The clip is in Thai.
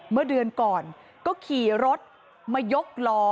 เมื่อเดือนก่อนก็ขี่รถมายกล้อ